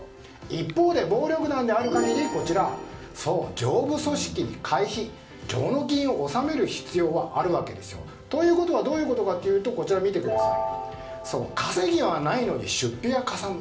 一方で暴力団である限りそう、上部組織に会費、上納金を納める必要があるわけですよ。ということはどういうことかというと稼ぎがないのに出費がかさむ。